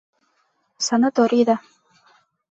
Санаторийҙа!